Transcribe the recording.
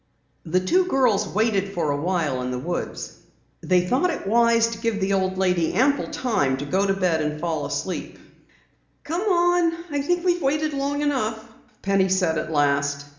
The two girls waited for awhile in the woods. They thought it wise to give the old lady ample time to go to bed and fall asleep. "Come on, we've waited long enough," Penny said at last.